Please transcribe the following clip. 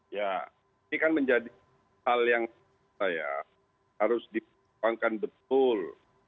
ya ini kan menjadi hal yang harus diperpanjangkan betul